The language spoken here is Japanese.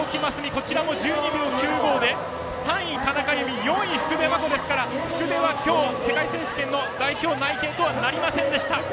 こちらも１２秒９５で３位に田中佑美４位に福部真子ですから福部は今日、世界選手権の代表内定とはなりませんでした。